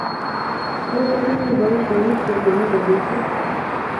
tos otinye boisionik che konu robisiek?